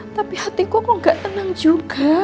tapi hatiku kok gak tenang juga